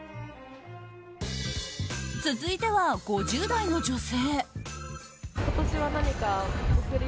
続いては５０代の女性。